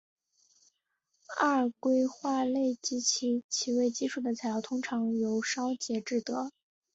二硅化钼及以其为基础的材料通常由烧结制得。